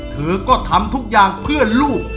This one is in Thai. เธอก็ทำทุกอย่างเพื่อลูก